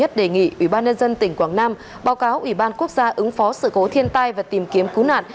thông tin mới nhất đề nghị ủy ban nhân dân tỉnh quảng nam báo cáo ủy ban quốc gia ứng phó sự cố thiên tai và tìm kiếm cứu nạn